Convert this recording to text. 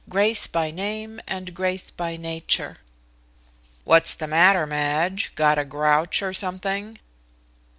X "GRACE BY NAME AND GRACE BY NATURE" "What's the matter, Madge? Got a grouch or something?"